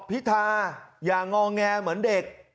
พิธาอย่างอแงเหมือนเด็ก